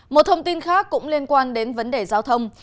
một thông tin khác cũng liên quan đến vấn đề giao thông